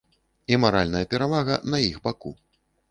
І маральная перавага на іх баку.